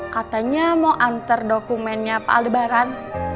katanya mau anter dokumennya pak aldebaran